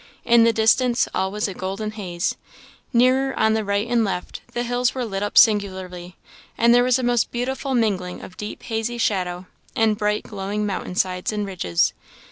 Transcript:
In the distance all was a golden haze; nearer, on the right and left, the hills were lit up singularly, and there was a most beautiful mingling of deep, hazy shadow, and bright, glowing mountain sides and ridges.